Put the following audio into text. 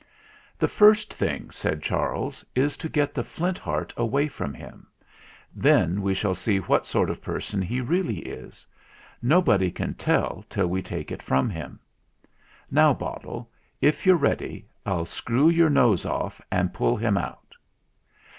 "The first thing," said Charles, "is to get the Flint Heart away from him ; then we shall see what sort of person he really is. Nobody can tell till we take it from him. Now, bottle, if you're ready, I'll screw your nose off and pull him out."